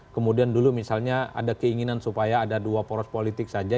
kemudian dulu misalnya ada keinginan supaya ada dua poros politik saja